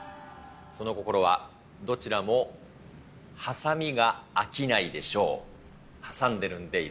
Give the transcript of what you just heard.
その心は、どちらもはさみがあきないでしょう。